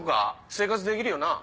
生活できるよな？